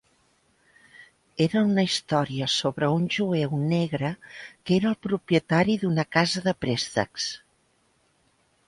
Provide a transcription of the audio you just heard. Era una història sobre un jueu negre que era el propietari d'una casa de préstecs.